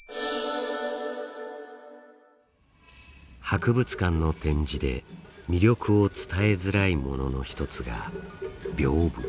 博物館の展示で魅力を伝えづらいものの一つが屏風。